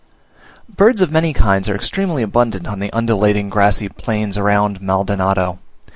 Birds of many kinds are extremely abundant on the undulating, grassy plains around Maldonado.